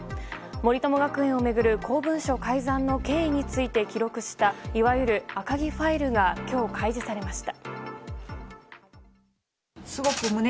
森友学園を巡る公文書改ざんの経緯について記録したいわゆる赤木ファイルが今日、開示されました。